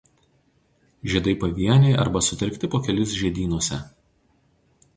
Žiedai pavieniai arba sutelkti po kelis žiedynuose.